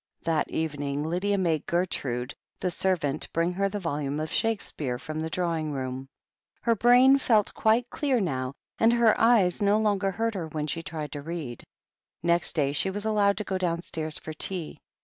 That evening Lydia made Gertrude, the servant, bring her the volume of Shakespeare from the draw ing room. Her brain felt quite clear now, and her eyes no longer hurt her when she tried to read. Next day she was allowed to go downstairs for tea.